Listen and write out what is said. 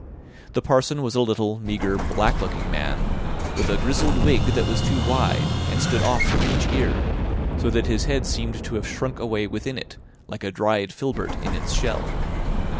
The parson was a little, meagre, black looking man, with a grizzled wig that was too wide, and stood off from each ear; so that his head seemed to have shrunk away within it, like a dried filbert in its shell.